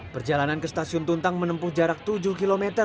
perjalanan ke stasiun tuntang menempuh jarak tujuh km